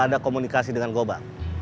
gak ada komunikasi dengan gobang